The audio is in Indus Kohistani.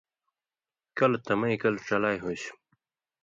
کلہۡ تمَیں کلہۡ ڇلائ ہُوئسیۡ